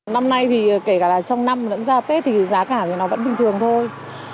năm nay thì kể cả trong năm lẫn ra tết thì giá cả thì nó vẫn bình thường thôi